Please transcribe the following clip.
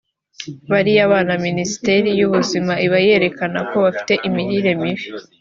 bariya bana Minisiteri y’Ubuzima iba yerekanye ko bafite imirire mibi